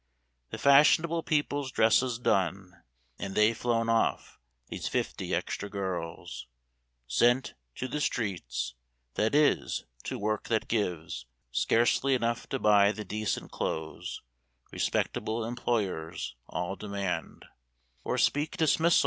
The fashionable people's dresses done, And they flown off, these fifty extra girls Sent—to the streets: that is, to work that gives Scarcely enough to buy the decent clothes Respectable employers all demand Or speak dismissal.